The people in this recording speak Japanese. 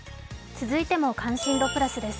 続いても「関心度プラス」です。